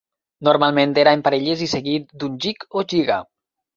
NormaIment era en parelles i seguit d'un jig o giga.